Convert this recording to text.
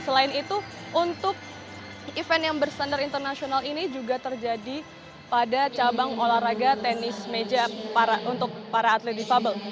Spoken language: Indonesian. selain itu untuk event yang berstandar internasional ini juga terjadi pada cabang olahraga tenis meja untuk para atlet difabel